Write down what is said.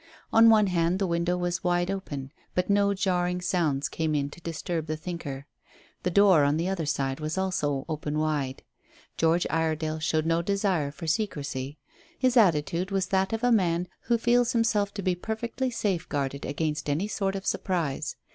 On one hand the window was wide open, but no jarring sounds came in to disturb the thinker. The door on the other side was also open wide. George Iredale showed no desire for secrecy. His attitude was that of a man who feels himself to be perfectly safe guarded against any sort of surprise.